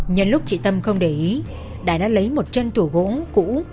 nhân lúc chị tâm không để ý đại đã lấy một chân tù gỗ cũ